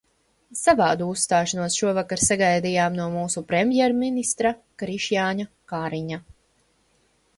Savādu uzstāšanos šovakar sagaidījām no mūsu premjerministra Krišjāņa Kariņa.